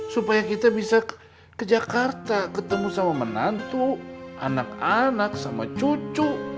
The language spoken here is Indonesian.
supaya kita bisa ke jakarta ketemu sama menantu anak anak sama cucu